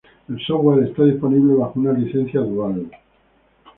El software está disponible bajo una licencia dual.